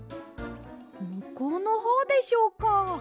むこうのほうでしょうか？